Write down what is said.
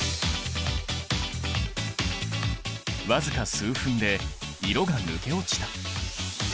僅か数分で色が抜け落ちた。